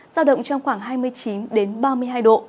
giao động trong khoảng hai mươi chín ba mươi hai độ